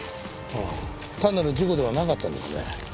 単なる事故ではなかったんですね。